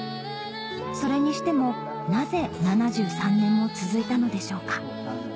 それにしてもなぜ７３年も続いたのでしょうか？